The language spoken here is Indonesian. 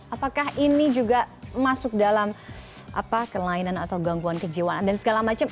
apakah ini juga masuk dalam kelainan atau gangguan kejiwaan dan segala macam